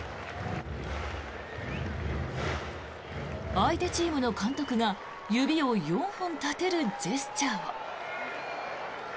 相手チームの監督が指を４本立てるジェスチャーを。